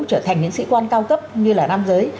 trở thành những sĩ quan cao cấp như là nam giới